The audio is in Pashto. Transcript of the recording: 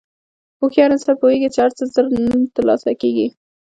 هوښیار انسان پوهېږي چې هر څه زر نه تر لاسه کېږي.